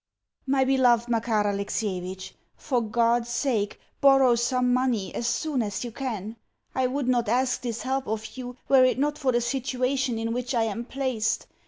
MY BELOVED MAKAR ALEXIEVITCH, For God's sake borrow some money as soon as you can. I would not ask this help of you were it not for the situation in which I am placed.